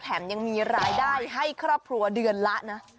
แถมยังมีรายได้ให้ครับหัวเดือนละ